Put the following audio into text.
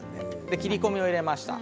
切り込みを入れました。